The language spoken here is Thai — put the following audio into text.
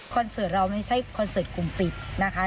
เสิร์ตเราไม่ใช่คอนเสิร์ตกลุ่มปิดนะคะ